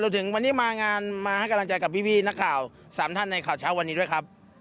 ถึงวันนี้มางานมาให้กำลังใจกับพี่นักข่าว๓ท่านในข่าวเช้าวันนี้ด้วยครับ